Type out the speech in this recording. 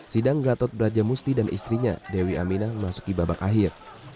sidang gatot brajamusti dan istrinya dewi aminah memasuki babak akhir